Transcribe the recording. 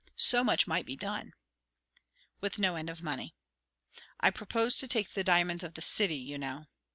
So much might be done." "With no end of money." "I proposed to take the diamonds of the city, you know."